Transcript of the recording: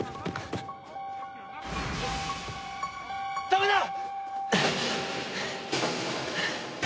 ダメだ！